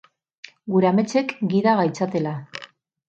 Gure ametsek gida gaitzatela.